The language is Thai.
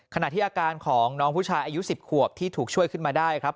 ขณะที่อาการของน้องผู้ชายอายุ๑๐ขวบที่ถูกช่วยขึ้นมาได้ครับ